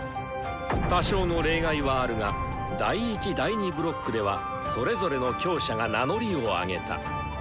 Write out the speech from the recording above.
多少の例外はあるが第１第２ブロックではそれぞれの強者が名乗りを上げた。